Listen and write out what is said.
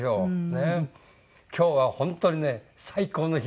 今日は本当にね最高の日です。